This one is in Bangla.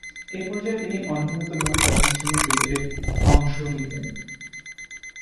এ পর্যায়ে তিনি অনিয়মিতভাবে প্রথম-শ্রেণীর ক্রিকেটে অংশ নিতেন।